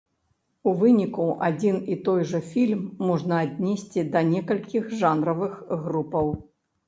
У выніку адзін і той жа фільм можна аднесці да некалькіх жанравых групаў.